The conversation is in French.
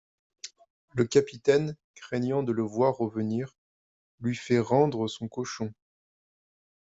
Le capitaine, craignant de le voir revenir, lui fait rendre son cochon.